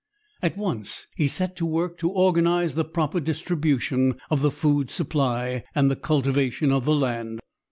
At once he set to work to organize the proper distribution of the food supply and the cultivation of the land.